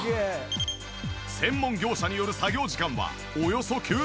専門業者による作業時間はおよそ９０分。